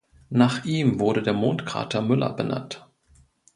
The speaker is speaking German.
Nach ihm wurde der Mondkrater Müller benannt.